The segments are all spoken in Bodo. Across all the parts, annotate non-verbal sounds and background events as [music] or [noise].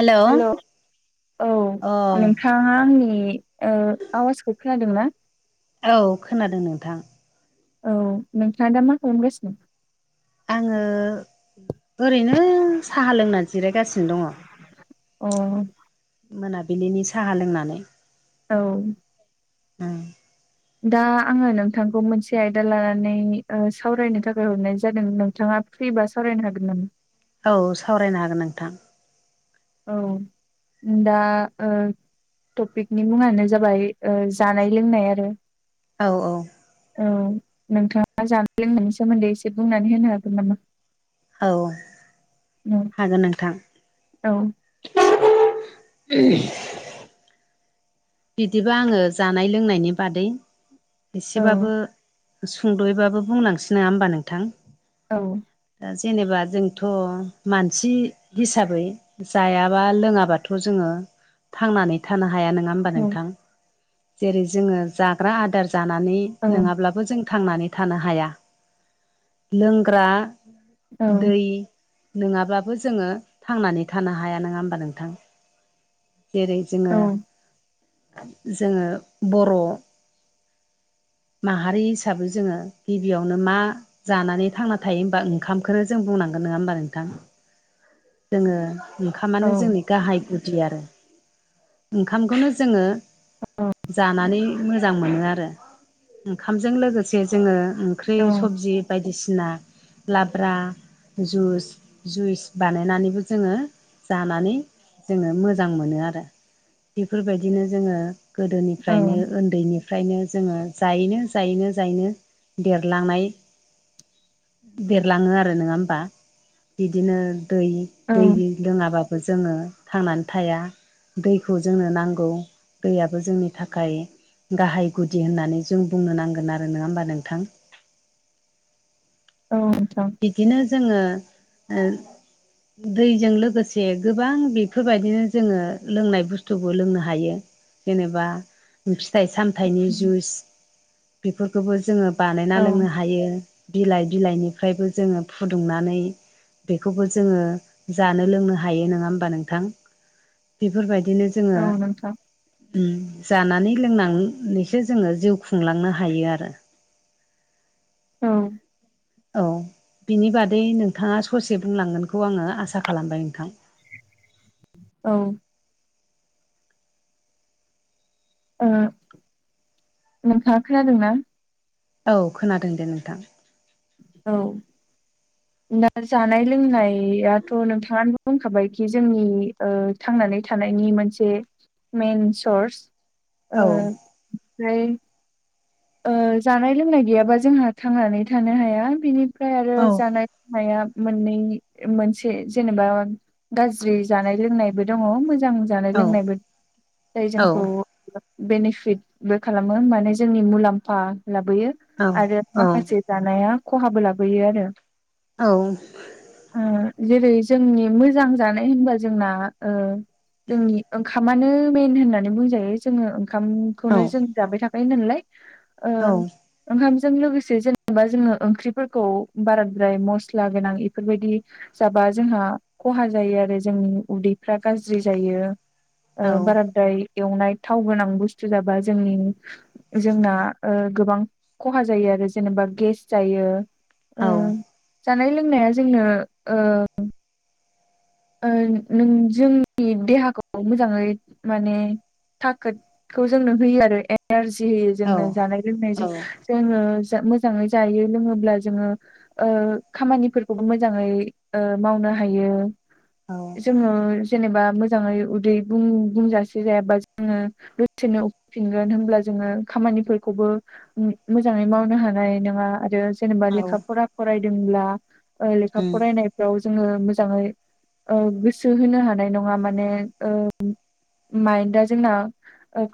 हेल' औ अ नोंथाङा आंनि आवाजखौ खोनादों ना? औ खोनादों नोंथां। औ नोंथाङा दा मा हमगासिनो? आङो ओरैनो साहा लोंना जिरायगासिनो दङ। अ मोनाबिलिनि साहा लोंनानै औ [unintelligible] दा आङो नोंथांखौ मोनसे आयदा लानानै सावरायनो थाखाय हरनाय जादों नोंथाङा फ्रिबा सावरायनो हागोन। औ सावरायनो हागोन नोंथां। औ दा ओ टपिकनि मुङानो जाबाय ओ जानाय लोंनाय आरो। औ औ औ नोंथाङा जानाय लोंनायनि सोमोन्दै एसे बुंनानै होनो हागोन नामा? औ औ हागोन नोंथां। औ [inaudible] बिदिब आङो जानाय लोंनायनि बादै औ एसेबाबो सुंदयैबाबो बुंलांसै नङा होमबा नोंथां? औ। दा जेनेबा जोंथ' मानसि हिसाबै। जायाबा लोङाबाथ' जोङो। थांनानै थानो हाया नङा होमबा नोंथां जेरै जोङो जाग्रा आदार जानानै औ नङाब्लाबो जों थांनानै थानो हाया लोंग्रा औ दै नङाब्लाबो जोङो थांनानै थानो हाया नङा होमबा नोंथां। जेरै जोङो औ जोङो बर' माहारि हिसाबै जोङो गिबियावनो मा। जानानै थांना थायो होमबा ओंखामखौो जों बुंनांगोन नङा होमबा नोंथां। जोङो औ ओंखामानो जोंनि गाहाय गुदि आरो। ओंखामखौनो जोङोओ जानानै मोजां मोनो आरो ओंखामजों लोगोसे जोङो। ओंख्रि औ सबजि बायदिसिना लाब्रा जइस जुइसो बानायनानैबो जोङो जानानै जोङो मोजां मोनो आरो। बेफोरबायदिनो जोङो औ गोदोनिफ्रायनो ओनो उन्दैनिफ्रायनो जोङो जायैनो जायैनो जायैनो देरलांनाय। बेरलाङो आरो नङा होमबा बिदिनो दै औ दै। लोङाबाबो जोङो थांनानै थाया। दैखौ जोंनो नांगौ दैयाबो जोंनि थाखाय। गाहाय गुदि होननानै जों बुंनो नांगोन आरो नङा होमबा नोंथां। औ नोथां। बिदिनो जोङो दैजों लोगोसे गोबां बेफोरबादिनो जोङो लोंनाय बुस्थुबो लोंनो हायो जेनेबा फिथाइ सामथाइनि उम, जुइस बेफोरखौबो जोङो। बानायना औ लोंनो हायो बिलाइ बिलाइनिफ्रायबो जोङो फुदुंनानै। बेखौबो जोङो जानो लोंनो हायो नङा होनबा नोंथां बेफोरबादिनो औ जोङो। नोंथां जानानै लोंनानैसो जोङो जिउ खुंलांनो हायो आरो। औ। औ बिनि बादै नोंथाङा ससे बुंलांगोनखौ आङो आसा खालामबाय नोंथां। औ। नोंथाङा खोनादोंना। औ खोनादों दे नोंथां। औ। दा जानाय लोंनायाथ' नोंथाङानो बुंखाबायखि जोंनिआ थांनानै थानायनि मोनसे मइेन सर्सा औ आ ओमफ्राय जानाय-लोंनाय गैयाबा जोंहा थांनानै थानो हाया बिनिफ्राय आरो औ जानाय। हाया मोननै मोनसे जेनेबाओ। गाज्रि जानाय लोंनायबो दङ मोजां जानाय औ लोंनायबो जाय औ जोंखौ ओ बेनिफिटबो खालामो माने जोंनि मुलाम्फा लाबोयो। औ आरो औ माखासे जानाया खहाबो लाबोयो आरो। औ जेरै जोंनि मोजां जानाय होनबा जोंना ओ जोंनि ओंखामानो मेेन होननानै बुंजायो जोङो औ ओंखामखौनो जों जाबाय थाखायो नालाय। ओ। ओंखामजों लोगोसे जेनेबा जोङो ओंख्रिफोरखौ बाराद्राय मस्ला गोनां इफोरबादि जाबा जोंहा खहा जायो आरो जोंनि उदैफ्रा गाज्रि जायो। औ औ बाराद्राय एवनाय थाव गोनां बुस्थु जाबा जोंनि जोंना गोबां खहा जायो आरो जेनेबा गेस जायो। ओ औ जानाय लोंनाया जोंनो ओ ओ नों जोंनि देहाखौ मोजाङै माने थाखोदखौ जोंनो होयो आरो एनारजि होयो जोंनो जानाय लोंनायजों। जोङो मोजाङै जायो लोङोब्ला जोङो खामानिफोरखौबो मोजाङै मावनो हायो। औ जोङो जेनेबा मोजाङै उदै बुं बुंजासे जायाबा जोङो दसेनो उखैफिनगोन होनब्ला जोङो खामानिफोरखौबो मोजाङै मावनो हानाय नङा आरो जेनेबा लेखा फरा फरायदोंब्ला ओ लेखा फरायनायफ्राव जोङो मोजाङै ओ गोसो होनो हानाय नङा माने ओ माइन्डा जोंना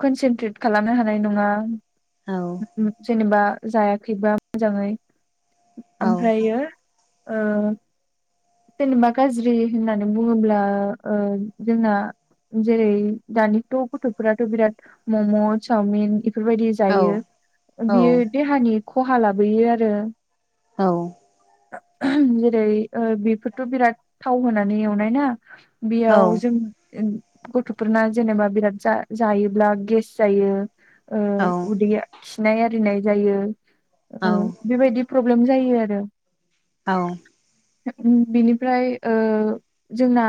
कनसेन्ट्रेट खालामनो हानाय नङा। औ जेनेबा जायाखैबा मोजाङै ओमफ्रायो ओ जेनबा गाज्रि होननानै बुङोब्ला ओ जोंना जेरै दानिथ' गथ'फोराथ' बिराद मम' चावमिन इफोरबायदि जायो बियो देहानि खहा लाबोयो आरो। औ जेरै बेफोरथ' बिराद थाव होनानै एवनाय ना। औ बेयाव जों गथ'फोरना जेनेबा बिराद जायोब्ला गेस जायो। ओ उदैया खिनाय आरिनाय जायो। ओ बेबायदि प्रब्लेम जायो आरो। बिनिफ्राय ओ जोंना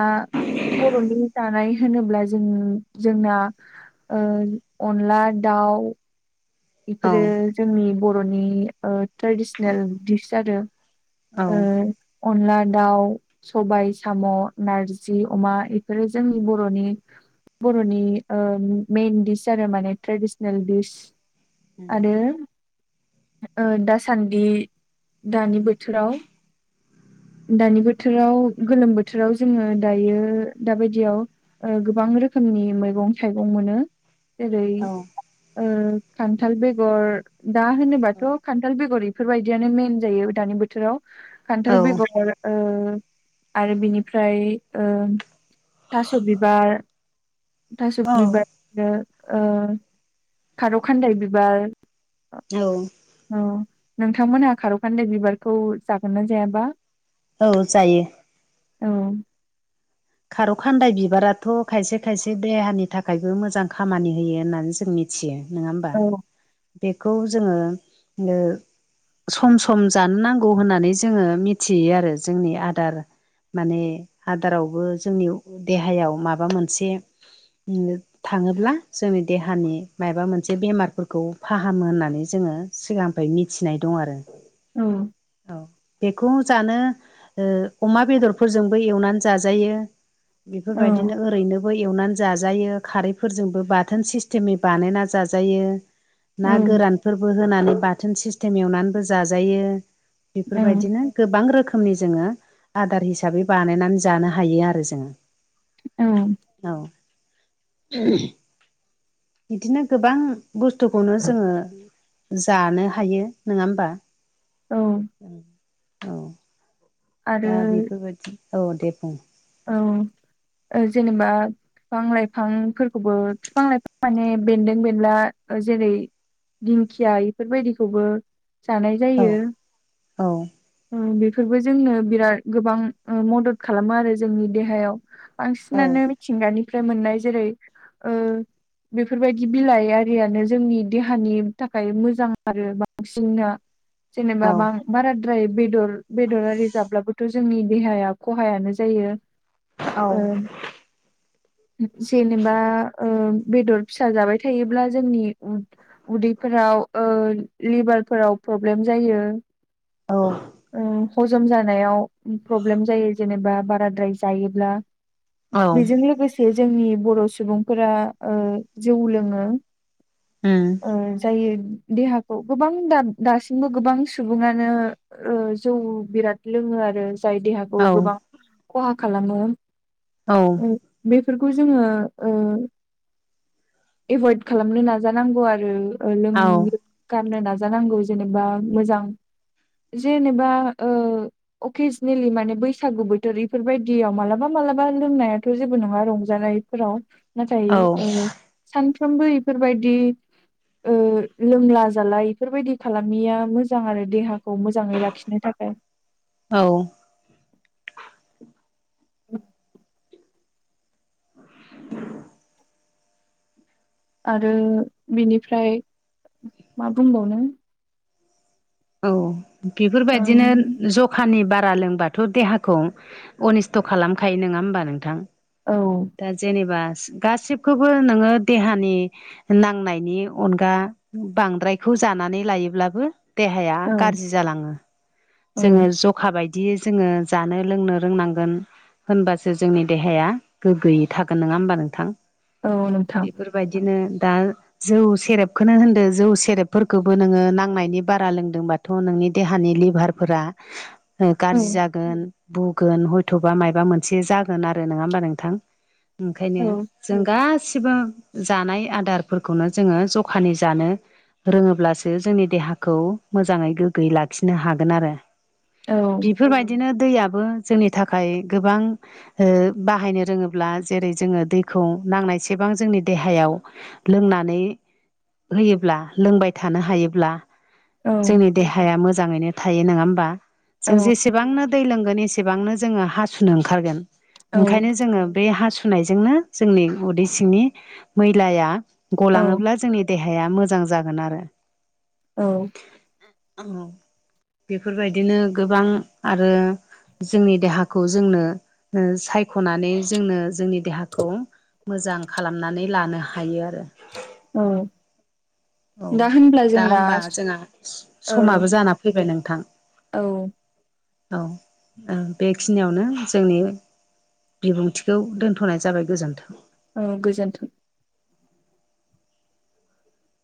बर'नि जानाय होनोब्ला जों जोंना ओ अनला दाउ बेफोरो जोंनि बर'नि ओ ट्रेडिसनेल दिस आरो। औ ओ अनला दाउ सबाय साम' नारजि अमा बेफोरो जोंनि बर'नि बर'नि मेइन दिस आरो माने ट्रेडिसनेल डिस। आरो दासान्दि दानि बोथोराव दानि बोथोराव गोलोम बोथोराव जोङो दायो दाबायदियाव गोबां रोखोमनि मैगं थाइगं मोनो। जेरै ओ खान्थाल बेगर दा होनोबाथ' खान्थाल बेगर बेफोरबायदियानो मेन जायो दानि बोथोराव औ खान्थाल बेगर ओ आरो बिनिफ्राय ओ थास' बिबार थास' बिबार आरो ओ खारौ खान्दाय बिबार औ औ नोंथांमोनहा खार'खान्दै बिबारखौ जागोन ना जायाबा? औ जायो। औ खारौ खान्दाय बिबाराथ' खायसे खायसे देहानि थाखायबो मोजां खामानि होयो होननानै जोंनि मिथियो नङा होमबा। औ बेखौ जोङो सम सम जानो नांगौ होननानै जोङो मिथियो आरो जोंनि आदार। माने आदारावबो जोंनि देहायाव माबा मोनसे थाङोब्ला जोंनि देहानि माबा मोनसे बेमारफोरखौ फाहामो होननानै जोङो सिगांनिफ्राय मिथिनाय दं आरो। ओम। औ बेखौ जानो अमा बेदरफोरजोंबो एवनानै जाजायो। औ बेफोरबायदिनो ओरैनो बो एवनानै जाजायो खारैफोरजोंबो बाथोन सिस्टेमै बानायना जाजायो। ना गोरानफोरबो होनानै बाथोन सिस्टेम एवनानैबो जाजायो बेफोर औ बायदिनो गोबां रोखोमनि जोङो आदार हिसाबै बानायनानै जानो हायो आरो जोङो। औ। औ। [inaudible] बिदिनो गोबां बुस्थुखौनो जोङो जानो हायो नोङा होमबा औ औ। आरो दा बेफोर बायदि औ दे बुं औ ओ जेनेबा फिफां-लाइफांफोरखौबो फिफां-लाइफां माने बेन्दों-बेनला ओ जेरै दिंखिया इफोर बायदिखौबो जानाय औ जायो। औ उम बेफोरबो जोंनो बिराद गोबां ओ मदद खालामो आरो जोंनि देहायाव औ बांसिनानो मिथिंगानिफ्राय मोननाय जेरै ओ बेफोर बायदि बिलाइ आरियानो जोंनि देहानि थाखाय मोजां आरो बांसिना। जेनेबा औ बां-बाराद्राय बेदर बेदर आरि जाब्लाबोथ' जोंनि देहाया खहायानो जायो ओ औ जेनेबा ओ बेदर-फिसा जाबाय थायोब्ला जोंनि उन उदैफोराव ओ लिभारफोराव प्रब्लेम जायो। औ। ओ हजम जानायाव प्रब्लेम जायो जेनेबा बाराद्राय जायोब्ला। औ बेजों लोगोसे जोंनि बर' सुबुंफोरा ओ जौ लोङो। उम। ओ जायो देहाखौ गोबां दा दासिमबो गोबां सुबुङानो ओ जौ बिराद लोङो आरो जाय औ देहाखौ गोबां खहा खालामो उम बेफोरखौ जोङो ओ एभयद खालामनो नाजानांगौ आरो ओ लों औ गारनो नाजानांगौ जेनेबा मोजां जेनेबा ओ अकेजनेलि माने बैसागु बो थोर इफोर बायदियाव मालाबा मालाबा लोंनायाथ' जेबो नङा रंजानायफोराव। नाथाय औ ओ सानफ्रोमबो इफोर बायदि ओ लोंला-जाला इफोर बायदि खालामिया मोजां आरो देहाखौ मोजाङै लाखिनो थाखाय। औ। [inaudible] [inaudible] आरो बिनिफ्राय मा बुंबावनो औ बेफोर बायदिनो ओम ज खानि बारा लोंबाथ' देहाखौ अनिस्थ' खालामखायो नङा ओमबा नोंथां? औ। दा जेनेबा सि गासिबखोबो नोङो देहानि नांनायनि अनगा बांद्रायखौ जानानै लायोब्लाबो देहाया औ गाज्रि जालाङो। औ जोङो जखा बायदियै जोङो जानो लोंनो रोंनांगोन। होनबासो जोंनि देहाया गोग्गोयै थागोन नोङा ओमबा नोंथां? औ नोंथां। बेबायदिनो दा जौ सेरेबखोनो होनदो जौ सेरेबफोरखौबो नोङो नांनायनि बारा लोंदोंबाथ' नोंनि देहानि लिभार फोरा ओ औ गारजि जागोन। बुंगोन हयथ'बा मायबा मोनसे जागोन आरो नोङा ओमबा नोंथां ओंखायनो औ जों गासिबो जानाय आदारफोरखौनो जोङो जखानि जानो रोङोब्लासो जोंनि देहाखौ मोजाङै गोग्गोयै लाखिनो हागोन आरो। औ बेफोरबायदिनो दैयाबो जोंनि थाखाय गोबां ओ बाहायनो रोङोब्ला जेरै जोङो दैखौ नांनायसेबां जोंनि देहायाव लोंनानै होयोब्ला लोंबाय थानो हायोब्ला औ जोंनि देहाया मोजाङैनो थायो नङा होमबा औ जों जेसेबांनो दै लोंगोन एसेबांनो जोङो हासुनो ओंखारगोन औ ओंखायनो जोङो बे हासुनायजोंनो जोंनि उदै सिंनि मैलाया औ गलाङोब्ला जोंनि देहाया मोजां जागोन आरो। औ औ बेफोरबायदिनो गोबां आरो जोंनि देहाखौ जोंनो सायख'नानै जोंनो जोंनि देहाखौ मोजां खालामनानै लानो हायो आरो औ औ दा होनब्ला दा जोंना होमबा जोंहा औ समाबो जाना फैबाय नोंथां औ औ ओं बेखिनियावनो जोंनि बिबुंथिखौ दोनथ'नाय जाबाय गोजोन्थों औ गोजोन्थों